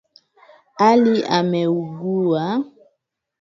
Ali ameugua.